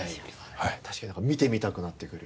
確かに見てみたくなってくる。